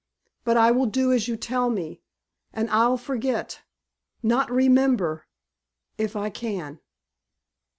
"But I will do as you tell me. And I'll forget not remember if I can."